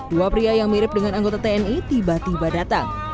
dua pria yang mirip dengan anggota tni tiba tiba datang